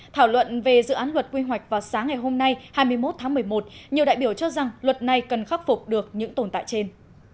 thảo luận về dự án luật quy hoạch vào sáng ngày hôm nay hai mươi một tháng một mươi một nhiều đại biểu cho rằng luật này cần khắc phục được những tồn tại trên